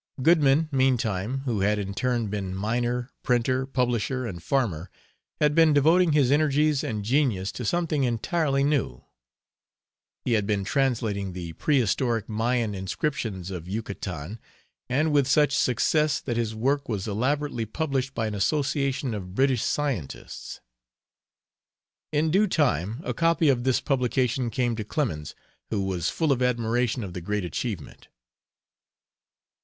Goodman, meantime, who had in turn been miner, printer, publisher, and farmer; had been devoting his energies and genius to something entirely new: he had been translating the prehistoric Mayan inscriptions of Yucatan, and with such success that his work was elaborately published by an association of British scientists. In due time a copy of this publication came to Clemens, who was full of admiration of the great achievement.